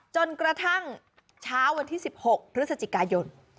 จนกระทั่งเช้าวันที่๑๖พฤศจิกายน